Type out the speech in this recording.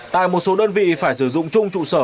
tại một số đơn vị phải sử dụng chung trụ sở